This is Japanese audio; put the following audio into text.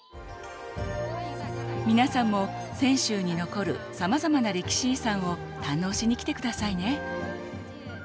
皆さんも泉州に残るさまざまな歴史遺産を堪能しに来てくださいね。